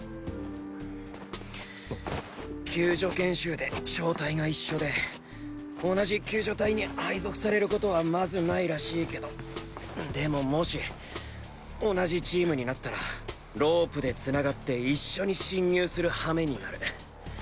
救助研修で小隊が一緒で同じ救助隊に配属されることはまず無いらしいけどでももし同じチームになったらロープで繋がって一緒に進入するハメになる。